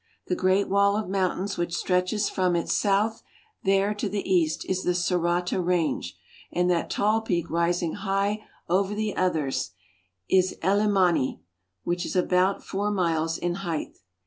The great wall of mountains which stretches from it south there to the east is the Sorata range, and that tall peak STEAMBOATING ABOVE THE CLOUDS. 83 rising high over the others is IlHmani (el ye ma'ne), which is about four miles in height.